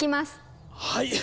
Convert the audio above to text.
はい。